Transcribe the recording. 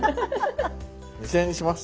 ２，０００円にします。